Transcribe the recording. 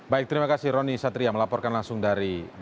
baik terima kasih roni satria melaporkan langsung dari jakarta